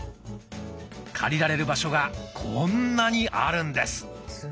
借りられる場所がこんなにあるんです。